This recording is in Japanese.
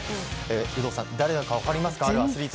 有働さん、誰だか分かりますか？